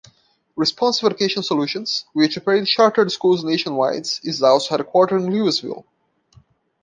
Responsive Education Solutions, which operates chartered schools nationwide, is also headquartered in Lewisville.